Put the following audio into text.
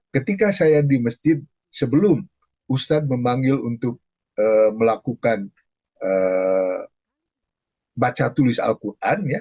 ketika saya di masjid sebelum ustadz memanggil untuk melakukan baca tulis al quran